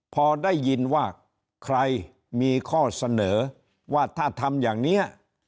พอได้ยินว่าใครมีข้อเสนอว่าถ้าทำอย่างนี้